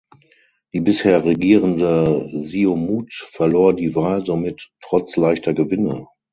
Die bisher regierende Siumut verlor die Wahl somit trotz leichter Gewinne.